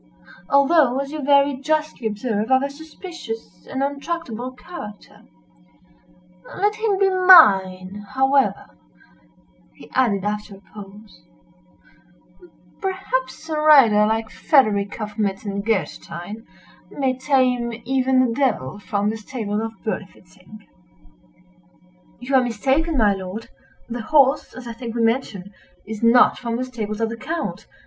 although, as you very justly observe, of a suspicious and untractable character; let him be mine, however," he added, after a pause, "perhaps a rider like Frederick of Metzengerstein, may tame even the devil from the stables of Berlifitzing." "You are mistaken, my lord; the horse, as I think we mentioned, is not from the stables of the Count.